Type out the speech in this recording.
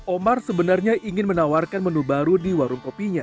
omar sebenarnya ingin menawarkan menu baru di warung kopinya